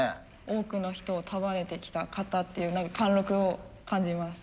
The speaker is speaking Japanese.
多くの人を束ねてきた方っていう貫録を感じます。